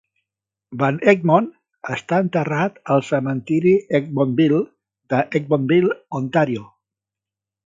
Van Edgmond està enterrat al cementiri Egmondville d'Egmondville, Ontàrio.